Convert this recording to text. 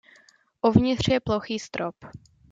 Uvnitř je plochý strop.